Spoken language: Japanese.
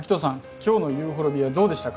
今日のユーフォルビアどうでしたか？